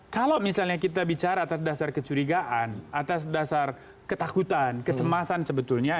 kalau misalnya kita bicara atas dasar kecurigaan atas dasar ketakutan kecemasan sebetulnya